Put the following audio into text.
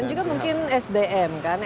dan juga mungkin sdm kan